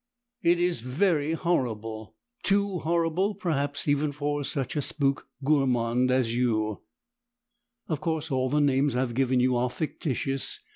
It is very horrible, too horrible, perhaps even for such a "spook gourmand" as you. Of course all the names I have given you are fictitious.